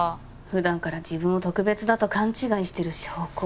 普段から自分を特別だと勘違いしてる証拠。